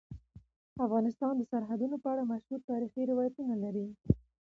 افغانستان د سرحدونه په اړه مشهور تاریخی روایتونه لري.